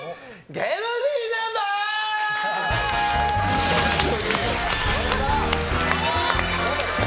芸能人ナンバーズ！